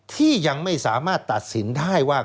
ที่ยังไม่สามารถตัดสินได้ว่า